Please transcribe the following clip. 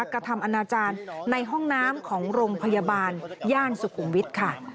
กระทำอนาจารย์ในห้องน้ำของโรงพยาบาลย่านสุขุมวิทย์ค่ะ